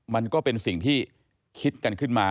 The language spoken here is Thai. มันก็เป็นสิ่งที่คิดกันขึ้นมา